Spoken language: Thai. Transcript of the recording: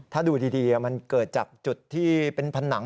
ถ้าดูดีมันเกิดจากจุดที่เป็นผนัง